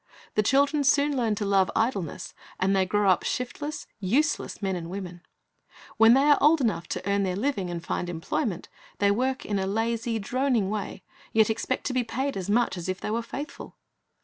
The children soon learn to love idleness, and they grow up shiftless, useless men and women. When they are old enough to earn their living, and find employment, they work in a lazy, droning way, yet expect to be paid as much as if they were faithful.